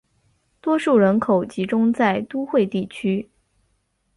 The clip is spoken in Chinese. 多数人口集中在都会地区。